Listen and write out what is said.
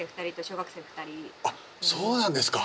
そうなんですか。